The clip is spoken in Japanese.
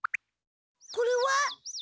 これは？